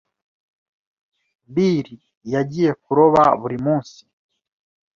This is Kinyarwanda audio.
Bill yagiye kuroba buri munsi.